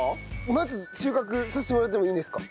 まず収穫させてもらってもいいんですか？